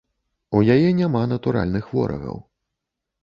У яе няма натуральных ворагаў.